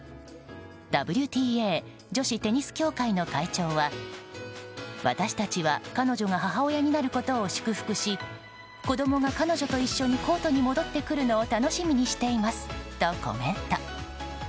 ＷＴＡ・女子テニス協会の会長は私たちは彼女が母親になることを祝福し子供が彼女と一緒にコートに戻ってくるのを楽しみにしていますとコメント。